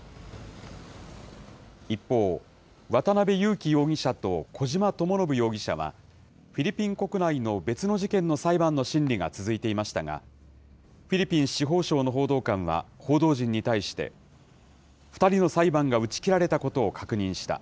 一方、渡邉優樹容疑者と小島智信容疑者は、フィリピン国内の別の事件の裁判の審理が続いていましたが、フィリピン司法省の報道官は報道陣に対して、２人の裁判が打ち切られたことを確認した。